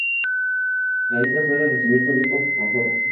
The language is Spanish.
La isla suele recibir turistas extranjeros.